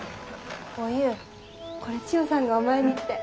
お勇これ千代さんがお前にって。